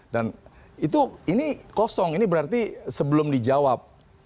dan itu ini kosong ini berarti sebelum dijawab